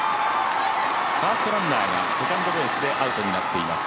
ファーストランナーがセカンドベースでアウトになっています。